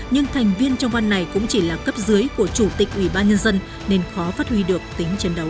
nhưng thành viên trong ban này cũng chỉ là cấp dưới của chủ tịch ủy ban nhân dân nên khó phát huy được tính chiến đấu